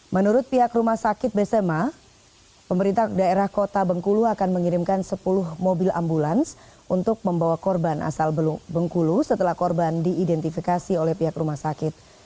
menurut pihak rumah sakit besema pemerintah daerah kota bengkulu akan mengirimkan sepuluh mobil ambulans untuk membawa korban asal bengkulu setelah korban diidentifikasi oleh pihak rumah sakit